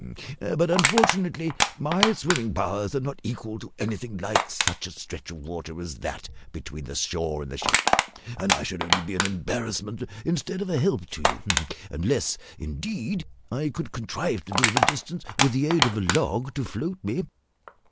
But, unfortunately, my swimming powers are not equal to anything like such a stretch of water as that between the shore and the ship, and I should only be an embarrassment instead of a help to you, unless, indeed, I could contrive to do the distance with the aid of a log to float me."